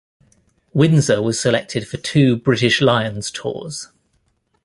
Windsor was selected for two British Lions tours.